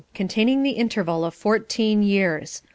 Containing The Interval Of Fourteen Years.